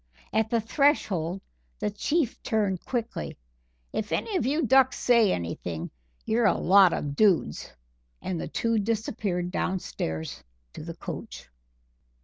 At the threshold the Chief turned quickly: "If any of you ducks say anything, you're a lot of dudes," and the two disappeared downstairs to the coach.